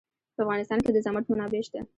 په افغانستان کې د زمرد منابع شته.